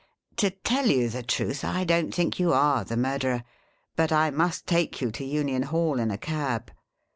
' To tell you the truth ; I don't think you are the murderer, but I must take you to Union Hall in a cab.